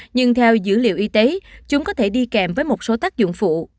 nhưng theo dữ liệu y tế chúng có thể đi kèm với một số tác dụng phụ